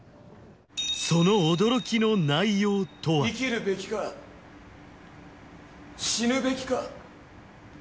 その驚きの内容とは生きるべきか死ぬべきか